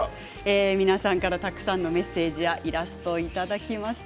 皆さんからたくさんのメッセージやイラストをいただきました。